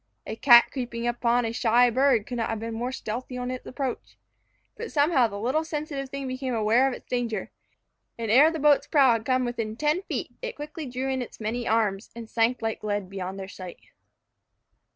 A cat creeping upon a shy bird could not have been more stealthy in its approach. But somehow the little sensitive thing became aware of its danger, and ere the boat's prow had come within ten feet, it quickly drew in its many arms, and sank like lead beyond their sight.